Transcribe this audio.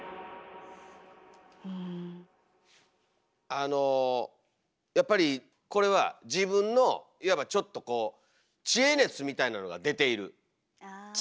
あのやっぱりこれは自分のいわばちょっとこう知恵熱が出ている！